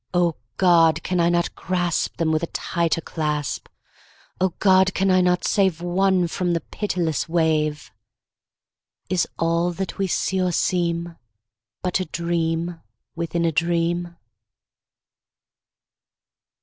O God! can I not grasp Them with a tighter clasp? O God! can I not save One from the pitiless wave? Is all that we see or seem But a dream within a dream?